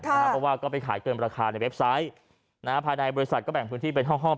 เพราะว่าก็ไปขายเกินราคาในเว็บไซต์ภายในบริษัทก็แบ่งพื้นที่เป็นห้อง